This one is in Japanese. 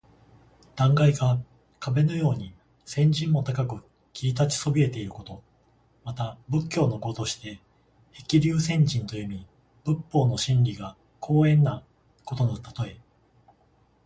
断崖が壁のように千仞も高く切り立ちそびえていること。また仏教の語として「へきりゅうせんじん」と読み、仏法の真理が高遠なことのたとえ。